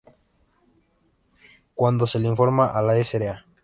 Cuando se le informa a la Sra.